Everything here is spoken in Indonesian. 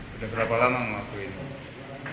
sudah berapa lama melakuin